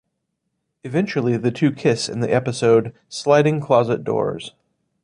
Eventually the two kiss in the episode "Sliding Closet Doors".